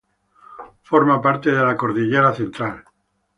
Forma parte de la Cordillera Central.